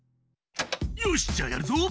よしじゃあやるぞ。